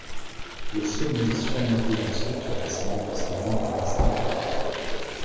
Le sommet est surmonté d’une structure récente ressemblant à un cénotaphe.